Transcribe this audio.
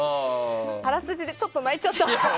あらすじでちょっと泣いちゃった。